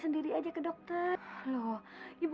anderen yang ini